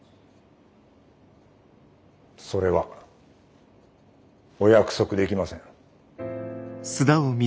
それはお約束できません。